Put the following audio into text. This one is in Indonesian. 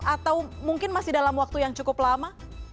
atau mungkin masih dalam waktu yang cukup lama